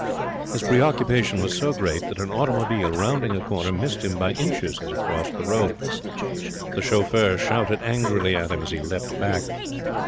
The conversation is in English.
His preoccupation was so great that an automobile, rounding a corner, missed him by inches as he crossed the road. The chauffeur shouted angrily at him as he leapt back.